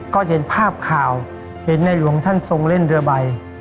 ก็เห็นภาพข่าวเห็นในหลวงท่านทรงเล่นเรือใบ